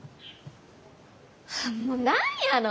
もう何やの！